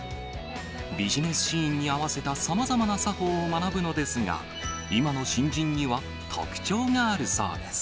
ビジネスシーンに合わせたさまざまな作法を学ぶのですが、今の新人には特徴があるそうです。